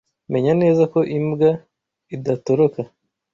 Menya neza ko imbwa idatoroka